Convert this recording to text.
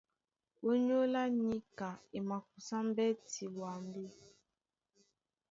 Ónyólá níka e makusá mbɛ́ti ɓwambì.